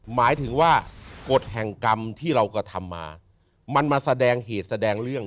หมายถึงว่ากฎแห่งกรรมที่เรากระทำมามันมาแสดงเหตุแสดงเรื่อง